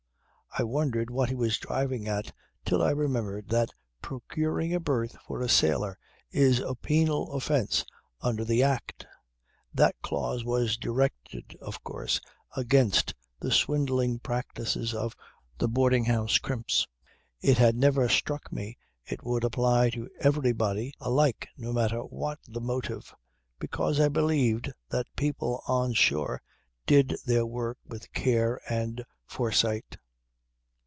"I wondered what he was driving at till I remembered that procuring a berth for a sailor is a penal offence under the Act. That clause was directed of course against the swindling practices of the boarding house crimps. It had never struck me it would apply to everybody alike no matter what the motive, because I believed then that people on shore did their work with care and foresight.